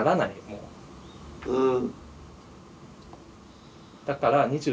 うん。